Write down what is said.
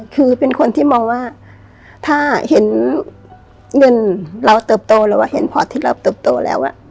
คือเป็นคนที่มองว่าถ้าเห็นเงินเราเติบโตแล้ว